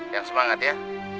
yang semangat ya